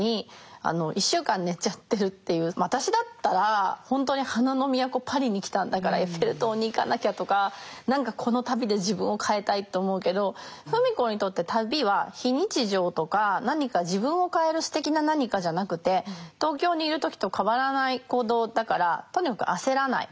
そもそも私だったら本当に花の都パリに来たんだからエッフェル塔に行かなきゃとか何かこの旅で自分を変えたいと思うけど自分を変えるすてきな何かじゃなくて東京にいる時と変わらない行動だからとにかく焦らない。